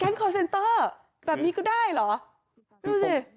แก๊งคอร์เซนเตอร์แบบนี้ก็ได้เหรอ